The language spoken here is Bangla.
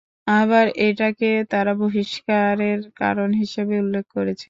আবার এটাকেই তারা বহিষ্কারের কারণ হিসেবে উল্লেখ করেছে।